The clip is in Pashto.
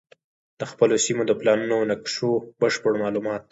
د خپلو سیمو د پلانونو او نقشو بشپړ معلومات